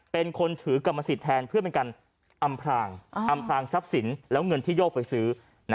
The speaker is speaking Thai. เป็นคนถือกรรมสิทธิ์แทนเพื่อเป็นการอำพลางทรัพย์สินแล้วเงินที่โยกไปซื้อ